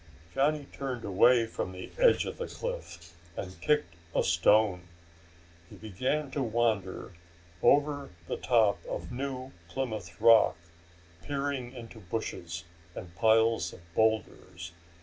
Johnny turned away from the edge of the cliff and kicked a stone. He began to wander over the top of New Plymouth Rock, peering into bushes and piles of boulders.